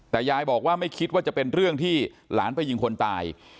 แต่ยายบอกว่าไม่คิดว่าจะเป็นเรื่องที่หลานไปยิงคนตาย